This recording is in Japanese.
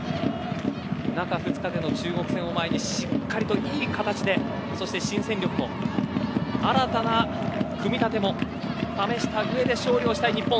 中２日での中国戦を前にしっかりといい形でそして新戦力も新たな組み立ても試した上で勝利をしたい日本。